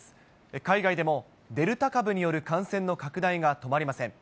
海外でもデルタ株による感染の拡大が止まりません。